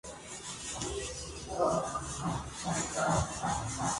Se trata de uno de los temas más emblemáticos y conocidos del grupo.